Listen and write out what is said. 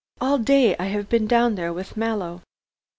All day I have been down there with Mallow."